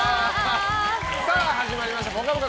始まりました「ぽかぽか」